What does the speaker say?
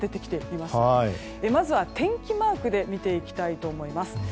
まずは天気マークで見ていきたいと思います。